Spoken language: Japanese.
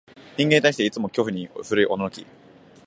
人間に対して、いつも恐怖に震いおののき、